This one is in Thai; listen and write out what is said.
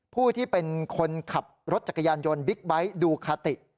ผู้ที่เป็นคนขับรถจักรยานยนต์บิ๊กไบท์ดูคาติ